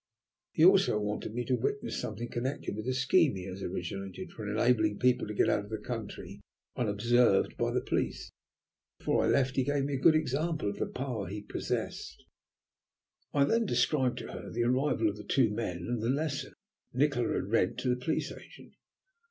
"He also wanted me to witness something connected with a scheme he has originated for enabling people to get out of the country unobserved by the police. Before I left he gave me a good example of the power he possessed." I then described to her the arrival of the two men and the lesson Nikola had read to the Police Agent.